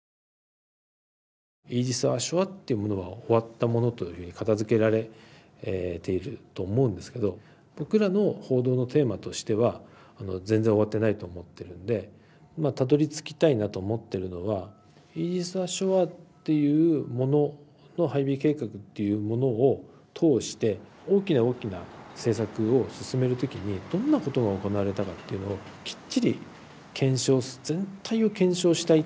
イージス・アショアっていうものは終わったものと片づけられていると思うんですけど僕らの報道のテーマとしては全然終わってないと思ってるんでたどりつきたいなと思ってるのはイージス・アショアっていうものの配備計画っていうものを通して大きな大きな政策を進める時にどんなことが行われたかっていうのをきっちり検証全体を検証したい。